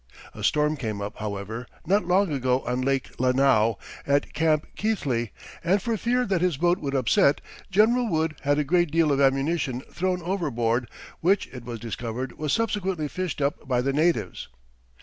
A storm came up, however, not long ago on Lake Lanao, at Camp Keithley, and for fear that his boat would upset, General Wood had a great deal of ammunition thrown overboard, which, it was discovered, was subsequently fished up by the natives.